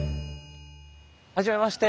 はじめまして。